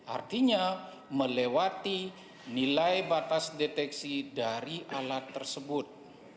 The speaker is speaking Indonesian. artinya melewati nilai batas deteksi dari alat tersebut